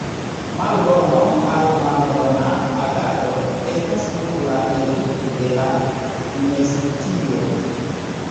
Malbono aŭ malbona agado estas nur la rezulto de la nescio.